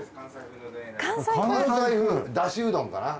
関西風！だしうどんかな。